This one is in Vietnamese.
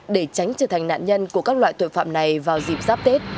để tránh trở thành nạn nhân của các loại tội phạm này vào dịp giáp tết